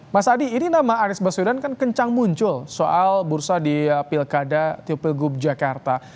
mas adi ini nama anies baswedan kan kencang muncul soal bursa di pilkada tipilgub jakarta